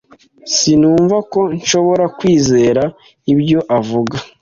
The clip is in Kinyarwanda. Sinumva ko nshobora kwizera ibyo avuga.